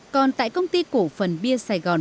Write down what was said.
còn tại công ty cổ phần bia sài gòn